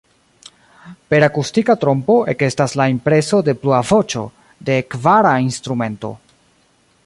Per akustika trompo ekestas la impreso de plua voĉo, de kvara instrumento.